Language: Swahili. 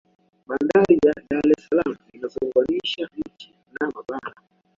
bandari ya dar es salaam inaziunganisha nchi na mabara